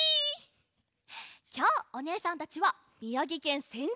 きょうおねえさんたちはみやぎけんせん